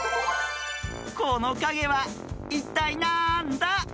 このかげはいったいなんだ？